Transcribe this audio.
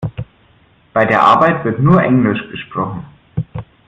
Bei der Arbeit wird nur Englisch gesprochen.